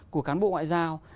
của cán bộ ngoại giao